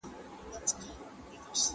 د ښه کار ستاینه وکړئ.